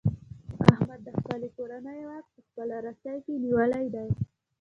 احمد د خپلې کورنۍ واک په خپله رسۍ کې نیولی دی.